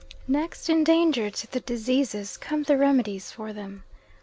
Next in danger to the diseases come the remedies for them.